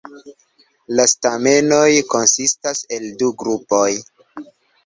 La stamenoj konsistas el du grupoj.